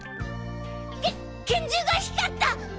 け拳銃が光った！